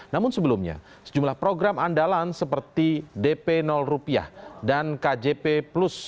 namun sebelumnya sejumlah program andalan seperti dp rupiah dan kjp plus